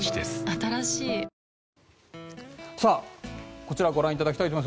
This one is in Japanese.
こちらご覧いただきます。